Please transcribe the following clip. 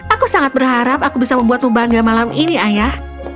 aku sangat berharap aku bisa membuatmu bangga malam ini ayah